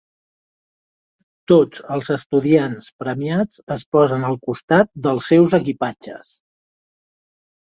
Tots els estudiants premiats es posen al costat dels seus equipatges.